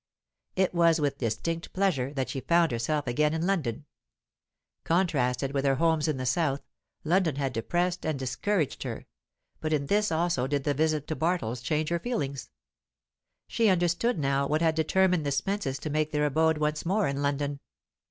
It was with distinct pleasure that she found herself again in London. Contrasted with her homes in the south, London had depressed and discouraged her; but in this also did the visit to Bartles change her feeling. She understood now what had determined the Spences to make their abode once more in London.